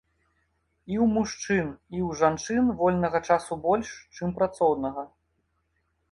І ў мужчын, і ў жанчын вольнага часу больш, чым працоўнага.